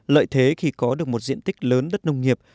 lợi thế khi có được một diện tích lớn đất nông nghiệp